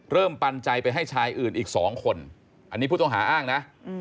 ปันใจไปให้ชายอื่นอีก๒คนอันนี้ผู้ต้องหาอ้างนะ